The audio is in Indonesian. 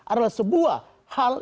adalah sebuah hal